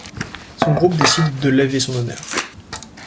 Son groupe décide de laver son honneur.